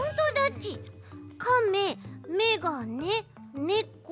「かめ」「めがね」「ねこ」